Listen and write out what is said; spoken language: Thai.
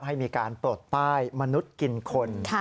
ให้มีการปลดป้ายมนุษย์กินคน